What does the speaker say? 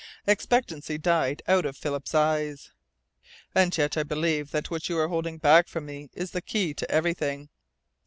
Expectancy died out of Philip's eyes. "And yet I believe that what you are holding back from me is the key to everything."